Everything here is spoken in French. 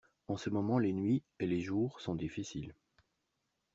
En ce moment les nuits, et les jours, sont difficiles.